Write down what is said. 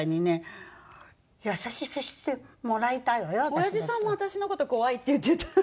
おやじさんも私の事「怖い」って言ってた。